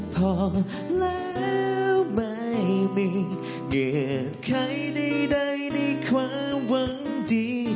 เหมือนใครได้ใดในความหวังดี